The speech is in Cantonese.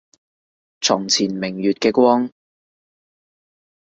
床前明月嘅光